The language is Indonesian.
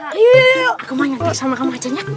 aku mau nyantai sama kamu aja nyat